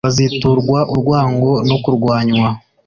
baziturwa urwango no kurwanywa